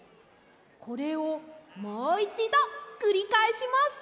これをもう１どくりかえします！